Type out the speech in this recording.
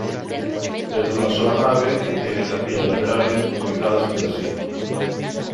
Es de una sola nave y tiene capillas laterales comunicadas entre sí.